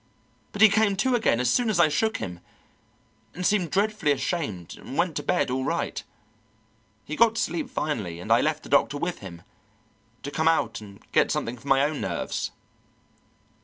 But he came to again as soon as I shook him, and seemed dreadfully ashamed, and went to bed all right. He got to sleep finally, and I left the doctor with him, to come out and get something for my own nerves."